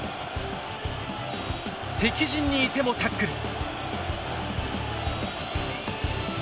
敵陣にいてもタックル。